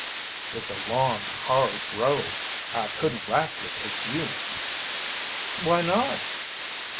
"It's a long, hard row. I couldn't rightly take you'uns." "Why not?"